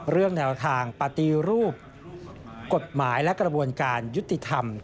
เรื่องแนวทางปฏิรูปกฎหมายและกระบวนการยุติธรรม